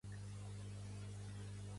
Pertany al moviment independentista l'Elvira?